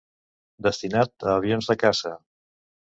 Destinat a avions de caça.